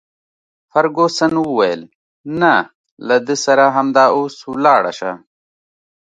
فرګوسن وویل: نه، له ده سره همدا اوس ولاړه شه.